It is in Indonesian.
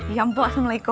ya empok assalamualaikum